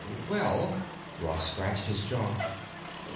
"Well——" Ross scratched his jaw.